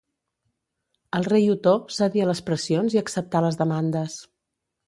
El rei Otó cedí a les pressions i acceptà les demandes.